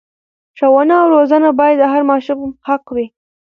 ښوونه او روزنه باید د هر ماشوم حق وي.